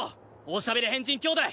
おしゃべり変人兄弟！